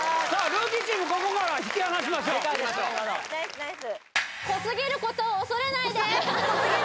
ルーキーチームここから引き離しましょうナイスナイス